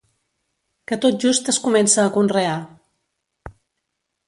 Que tot just es comença a conrear.